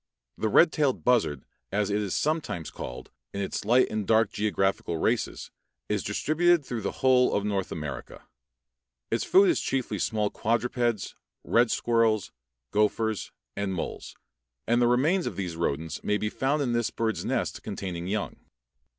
The red tailed buzzard, as it is sometimes called, in its light and dark geographical races, is distributed throughout the whole of North America. Its food is chiefly small quadrupeds, red squirrels, gophers, and moles, and the remains of these rodents may be found in this bird's nest containing young.